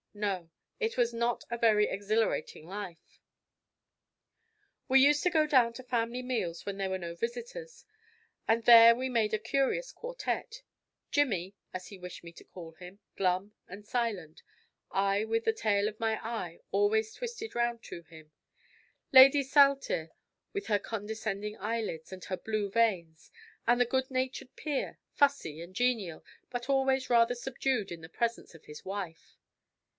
No, it was not a very exhilarating life! We used to go down to family meals when there were no visitors; and there we made a curious quartette: Jimmy (as he wished me to call him) glum and silent; I with the tail of my eye always twisted round to him; Lady Saltire with her condescending eyelids and her blue veins; and the good natured peer, fussy and genial, but always rather subdued in the presence of his wife.